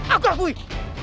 aku akan menang